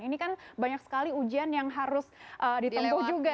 ini kan banyak sekali ujian yang harus ditempuh juga